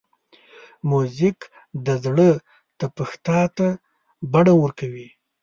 موزیک د زړه تپښتا ته بڼه ورکوي.